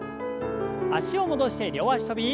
脚を戻して両脚跳び。